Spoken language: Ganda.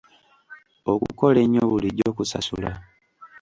Okukola ennyo bulijjo kusasula.